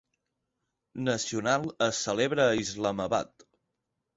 Nacional es celebra a Islamabad.